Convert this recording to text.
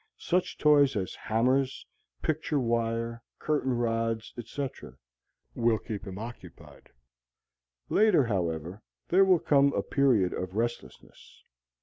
Such toys as hammers, picture wire, curtain rods, etc., will keep him occupied. Later, however, there will come a period of restlessness.